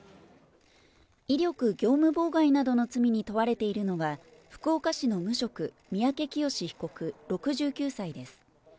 威力業務妨害などの罪に問われているのは、福岡市の無職、三宅潔被告６９歳です。